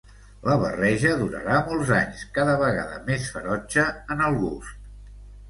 La barreja durarà molts anys cada vegada més ferotge en el gust.